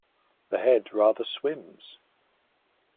The head rather swims.